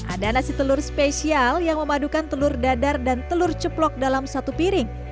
ada nasi telur spesial yang memadukan telur dadar dan telur ceplok dalam satu piring